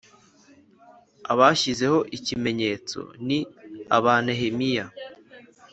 Abashyizeho ikimenyetso ni aba Nehemiya